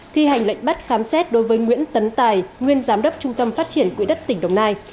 thi hành lệnh bắt khám xét đối với nguyễn tấn tài nguyên giám đốc trung tâm phát triển quỹ đất tỉnh đồng nai